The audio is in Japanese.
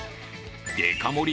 デカ盛り